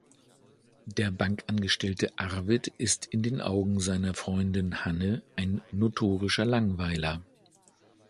Der Bankangestellte Arvid ist in den Augen seiner Freundin Hanne ein notorischer Langweiler.